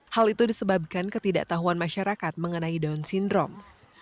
hal itu disebabkan ketidaktahuan masyarakat mengenai down syndrome